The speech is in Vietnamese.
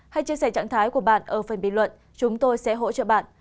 hãy chia sẻ trạng thái của bạn ở phần bình luận chúng tôi sẽ hỗ trợ bạn